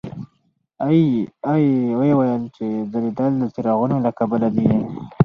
اې ای وویل چې ځلېدل د څراغونو له کبله دي.